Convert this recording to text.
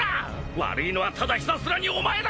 悪いのはただひたすらにお前だ！